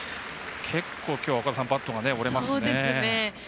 きょうはバットが折れますね。